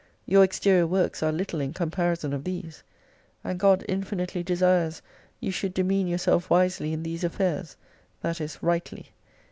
Your exterior works are little in comparison of these. And God infinitely desires you should demean yourself wisely in these affairs, that is, rightly.